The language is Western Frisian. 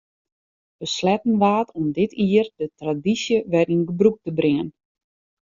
Besletten waard om dit jier de tradysje wer yn gebrûk te bringen.